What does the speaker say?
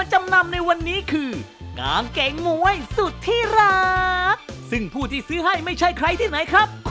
หวังใจชัย